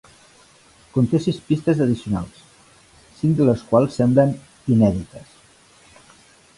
Conté sis pistes addicionals, cinc de les quals semblen "inèdites".